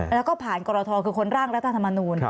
แล้วก็ผ่านกรทคือคนร่างรัฐธรรมนูล